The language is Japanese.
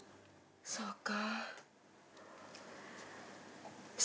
そうか。